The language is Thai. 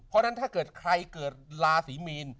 เพราะฉะนั้นถ้าเกิดใครเกิดราศีมีน